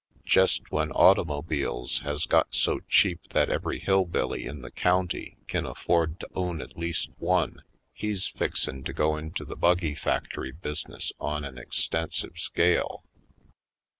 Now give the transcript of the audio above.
"Jest when automobiles has got so cheap that every hill billy in the county kin afford to own at least one, he's fixin' to go into the buggy factory business on an exten sive scale.